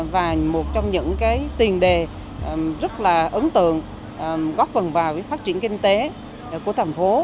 và một trong những tiền đề rất là ấn tượng góp phần vào phát triển kinh tế của thành phố